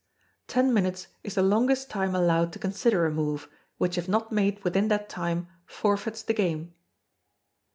Ten minutes is the longest time allowed to consider a move, which if not made within that time, forfeits the game.